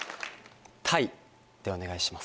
「タイ」でお願いします。